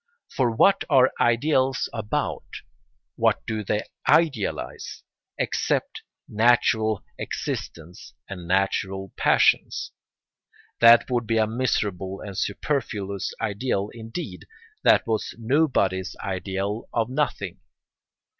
For what are ideals about, what do they idealise, except natural existence and natural passions? That would be a miserable and superfluous ideal indeed that was nobody's ideal of nothing.